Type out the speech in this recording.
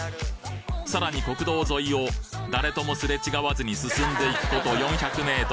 さらに国道沿いを誰ともすれ違わずに進んで行くこと４００ｍ